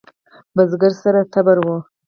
بزگر سره تبر و.